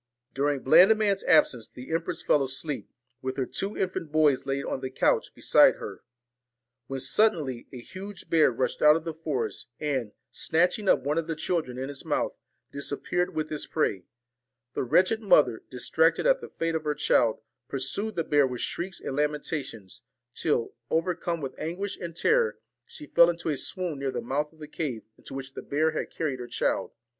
During Blandiman's absence the empress fell asleep, with her two infant boys laid on the couch beside her, when suddenly a huge bear rushed out of the forest, and, snatching up one of the children in its mouth, disappeared with its prey. The wretched mother, distracted at the fate of her child, pursued the bear with shrieks and lamenta tions, till, overcome with anguish and terror, she fell into a swoon near the mouth of the cave into which the bear had carried her child.